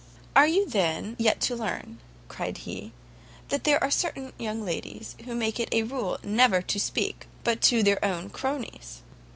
"Are you, then, yet to learn," cried he, "that there are certain young ladies who make it a rule never to speak but to their own cronies?